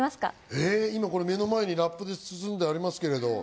えっ今これ目の前にラップで包んでありますけれど。